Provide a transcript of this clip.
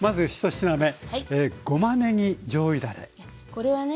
これはね